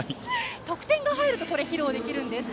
得点が入ると披露できるんです。